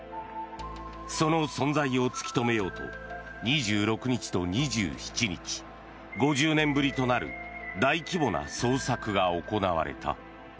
その存在を突き止めようと２６日と２７日５０年ぶりとなる大規模な捜索が行われた。